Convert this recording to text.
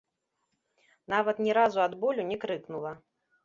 Нават ні разу ад болю не крыкнула.